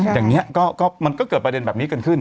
อย่างนี้มันก็เกิดประเด็นแบบนี้กันขึ้น